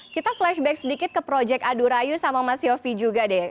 kita flashback sedikit ke project adurayu sama mas yofi juga deh